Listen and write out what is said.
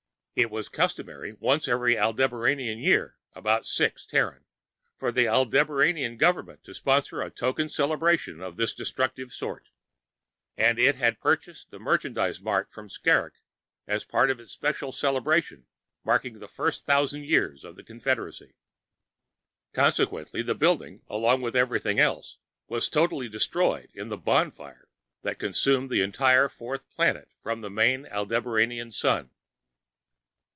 It was customary once every Aldebaranian year about six Terran for the Aldebaranian government to sponsor a token celebration of this destructive sort, and it had purchased the Merchandise Mart from Skrrgck as part of its special celebration marking the first thousand years of the Confederacy. Consequently, the building, along with everything else, was totally destroyed in the "bonfire" that consumed the entire fourth planet from the main Aldebaranian sun.